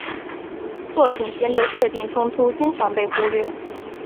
作品间的设定冲突经常被忽略。